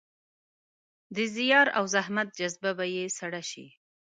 د زیار او زحمت جذبه به يې سړه شي.